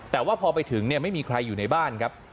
แต่ว่าพอไปถึงไม่มีใครอยู่ในบ้านครับ